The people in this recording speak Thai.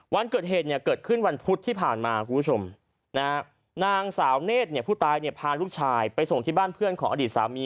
วันเกิดเหตุเนี่ยเกิดขึ้นวันพุธที่ผ่านมาคุณผู้ชมนางสาวเนธผู้ตายเนี่ยพาลูกชายไปส่งที่บ้านเพื่อนของอดีตสามี